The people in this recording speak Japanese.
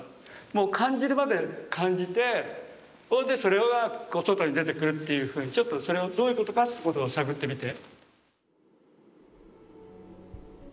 もう感じるまで感じてそれが外に出てくるっていうふうにちょっとそれをどういうことかってことを探ってみて。